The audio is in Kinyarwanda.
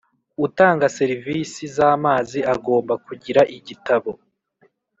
Utanga serivisi z amazi agomba kugira igitabo